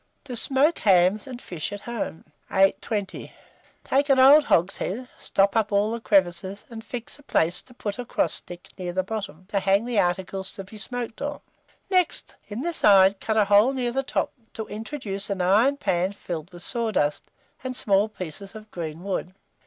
TO SMOKE HAMS AND FISH AT HOME. 820. Take an old hogshead, stop up all the crevices, and fix a place to put a cross stick near the bottom, to hang the articles to be smoked on. Next, in the side, cut a hole near the top, to introduce an iron pan filled with sawdust and small pieces of green wood.